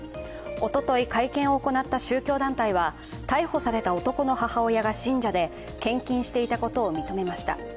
おととい会見を行った宗教団体は逮捕された男の母親が信者で献金していたことを認めました。